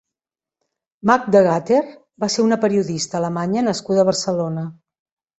Magda Gatter va ser una periodista alemanya nascuda a Barcelona.